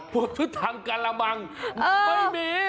พุทธทางกะละมังไม่มี